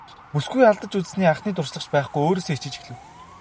Бүсгүй алдаж үзсэн анхны туршлага ч байхгүй өөрөөсөө ичиж эхлэв.